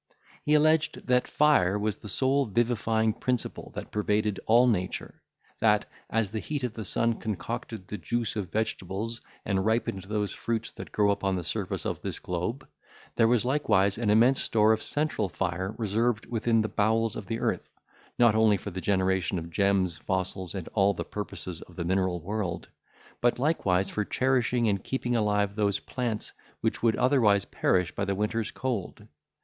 He alleged, that fire was the sole vivifying principle that pervaded all nature; that, as the heat of the sun concocted the juice of vegetables, and ripened those fruits that grow upon the surface of this globe, there was likewise an immense store of central fire reserved within the bowels of the earth, not only for the generation of gems, fossils, and all the purposes of the mineral world, but likewise for cherishing and keeping alive those plants which would otherwise perish by the winter's cold.